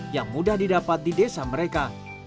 yang mudah didapat di desa mereka